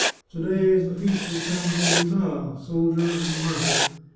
To day is the feast of San Giovita, soldier and martyr.